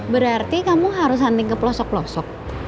berarti kamu harus hunting ke pelosok pelosok